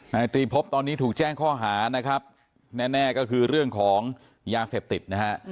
นายตรีพบตอนนี้ถูกแจ้งข้อหานะครับแน่ก็คือเรื่องของยาเสพติดนะฮะ